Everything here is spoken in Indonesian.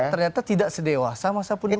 ternyata tidak sedewasa masa pendidikan